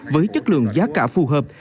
với chất lượng giá cả phù hợp